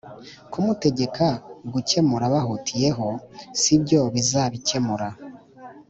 kumutegeka gukemura bahutiyeho sibyo bizabikemura